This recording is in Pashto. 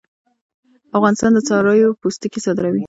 افغانستان د څارویو پوستکي صادروي